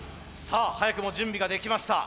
さあ早くも準備ができました。